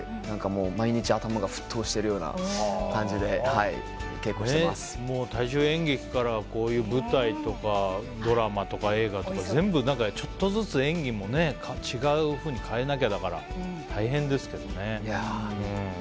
毎日、頭が沸騰しているような感じで大衆演劇からこういう舞台とかドラマとか映画とか全部、ちょっとずつ演技も違うふうに変えなきゃだから大変ですけどね。